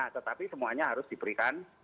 tetapi semuanya harus diberikan